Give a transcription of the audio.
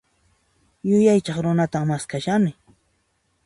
Yuyaychaq runatan maskhashani.